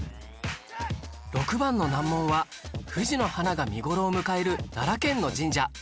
６番の難問は藤の花が見頃を迎える奈良県の神社